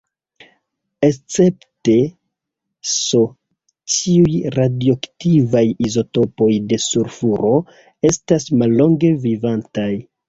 Escepte S, ĉiuj radioaktivaj izotopoj de sulfuro estas mallonge vivantaj.